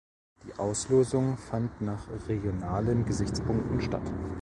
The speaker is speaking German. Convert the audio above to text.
Die Auslosung fand nach regionalen Gesichtspunkten statt.